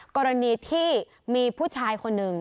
กรณีที่มีผู้ชายคนหนึ่ง